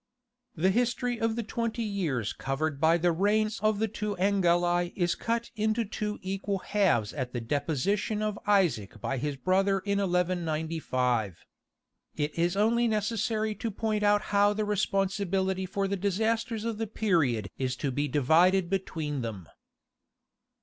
The history of the twenty years covered by the reigns of the two Angeli is cut into two equal halves at the deposition of Isaac by his brother in 1195. It is only necessary to point out how the responsibility for the disasters of the period is to be divided between them.